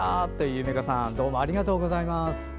夢加さんどうもありがとうございます。